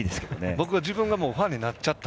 僕は自分がファンになっちゃった。